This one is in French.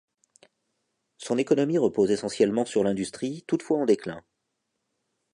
Son économie repose essentiellement sur l'industrie, toutefois en déclin.